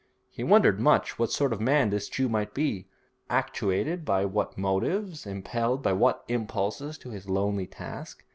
He wondered much what sort of a man this Jew might be, actuated by what motives, impelled by what impulses to his lonely task.